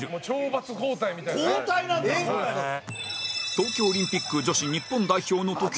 東京オリンピック女子日本代表の時にも